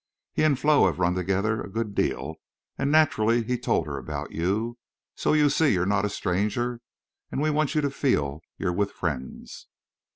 He an' Flo have run together a good deal, an' naturally he told her about you. So you see you're not a stranger. An' we want you to feel you're with friends."